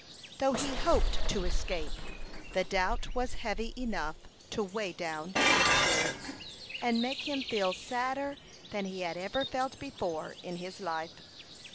Though he hoped to escape, the doubt was heavy enough to weigh down his spirits, and make him feel sadder than he had ever felt before in his life.